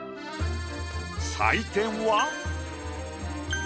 採点は。